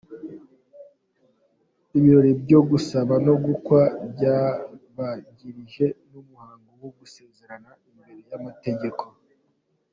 Ibirori byo gusaba no gukwa byabanjirijwe n’umuhango wo gusezerana imbere y’amategeko.